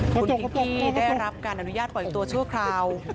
คุณพิงกี้ได้รับการอนุญาตปล่อยตัวชั่วคราว